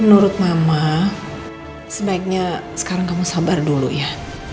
menurut mama sebaiknya sekarang kamu sabar dulu ya